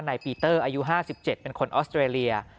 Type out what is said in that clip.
ปีเตอร์อายุ๕๗เป็นคนออสเตรเลีย